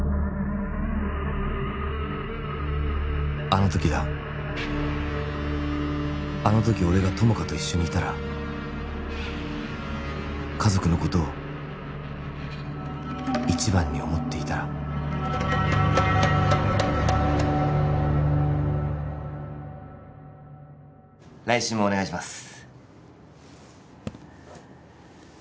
あの時だあの時俺が友果と一緒にいたら家族のことを一番に思っていたら来週もお願いします